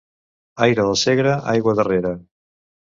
Aire del Segre, aigua darrere.